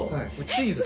チーズ？